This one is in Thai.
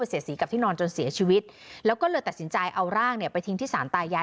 เสียสีกับที่นอนจนเสียชีวิตแล้วก็เลยตัดสินใจเอาร่างเนี่ยไปทิ้งที่สารตายาย